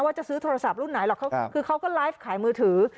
จะซื้อโทรศัพท์รุ่นไหนหรอกคือเขาก็ไลฟ์ขายมือถือ